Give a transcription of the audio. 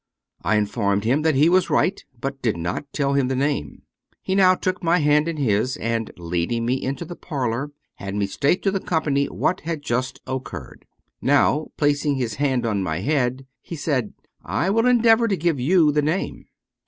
I informed him that he was right, but did not tell him the name. He now took my hand in his, and leading me into the parlor, had me state to the company what had just occurred. Now placing his hand on my head, he said :" I will endeavor to give you the name."